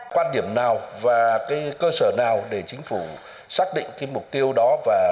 quan điểm nào và cơ sở nào để chính phủ xác định mục tiêu đó